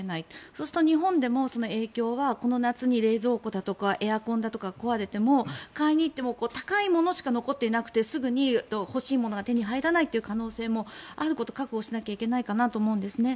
そうすると日本でも影響はこの夏に冷蔵庫だとかエアコンだとかが壊れても買いに行っても高いものしか残っていなくてすぐに欲しいものが手に入らない可能性もあることを覚悟しなきゃいけないかなと思うんですね。